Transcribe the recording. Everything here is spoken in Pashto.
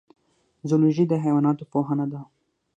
زولوژی د حیواناتو پوهنه ده